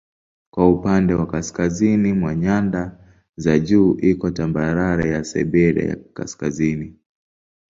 Kwa upande wa kaskazini mwa nyanda za juu iko tambarare ya Siberia ya Kaskazini.